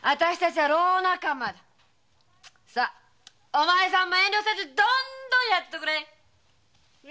さお前さんも遠慮せずどんどんやっとくれ！